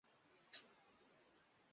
卷毛豇豆为豆科豇豆属的植物。